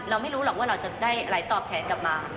ไม่รู้หรอกว่าเราจะได้อะไรตอบแทนกลับมา